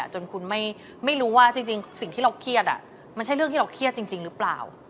จนคุณไม่รู้ว่าจริงสิ่งที่เราเครียดมันใช่เรื่องที่เราเครียดจริงหรือเปล่า